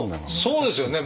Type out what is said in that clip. そうですよね。